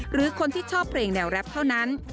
หรือคนที่ชอบเพลงแนวแรปเท่านั้น